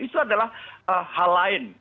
itu adalah hal lain